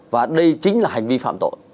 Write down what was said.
và đây chính là hành vi phạm tội